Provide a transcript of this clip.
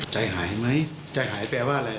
ใจหายไหมใจหายแปลว่าอะไร